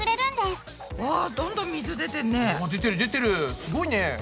すごいね。